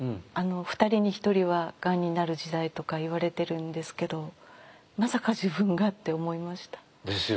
２人に１人はがんになる時代とかいわれてるんですけどまさか自分がって思いました。ですよね？